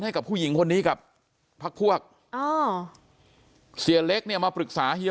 ให้กับผู้หญิงคนนี้กับพักพวกอ๋อเสียเล็กเนี่ยมาปรึกษาเฮีย